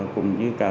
cũng như các